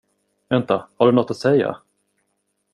Vänta, har du något att säga?